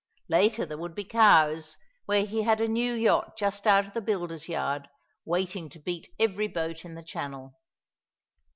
Later there would be Cowes, where he had a new yacht just out of the builder's yard, waiting to beat every boat in the Channel.